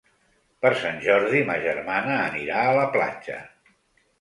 Per Sant Jordi ma germana anirà a la platja.